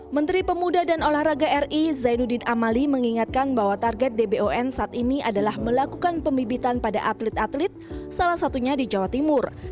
menteri pemuda dan olahraga ri zainuddin amali mengingatkan bahwa target dbon saat ini adalah melakukan pembibitan pada atlet atlet salah satunya di jawa timur